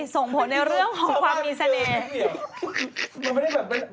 ส่งผลในเรื่องของความมีเสน่ห์